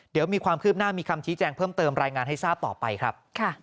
เดี๋ยวมีความคืบหน้ามีคำชี้แจงเพิ่มเติมรายงานให้ทราบต่อไปครับ